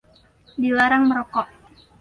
Dilarang merokok!